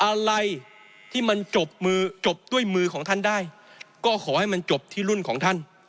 อะไรที่มันจบมือจบด้วยมือของท่านได้ก็ขอให้มันจบที่รุ่นของท่าน